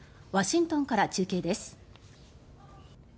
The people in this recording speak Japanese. ワシントンから中継です。